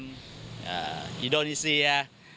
อ่าอิโดนีเซีย